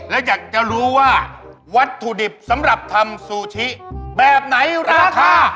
และอยากจะรู้ว่าวัตถุดิบสำหรับทำซูชิแบบไหนราคา